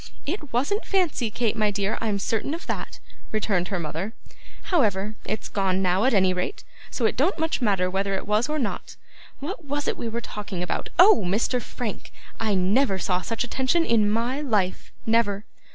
'It wasn't fancy, Kate, my dear, I'm certain of that,' returned her mother. 'However, it's gone now at any rate, so it don't much matter whether it was or not. What was it we were talking about? Oh! Mr. Frank. I never saw such attention in MY life, never.